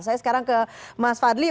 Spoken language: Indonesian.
saya sekarang ke mas fadli